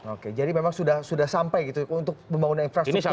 oke jadi memang sudah sampai gitu untuk membangun infrastrukturnya ya